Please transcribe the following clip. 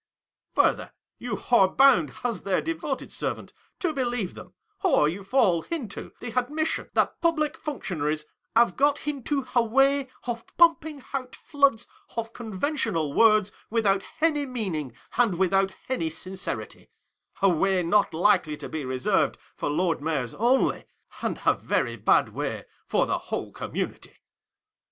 Further, you are bound lib their devoted servant to believe them, or you fall into the admission that public functionaries have got into a way of pumping out floods of conventional words without any meaning and without any sincerity — a way not likely to be reserved for Lord Mayors only, and a veiy bad way for the whole community."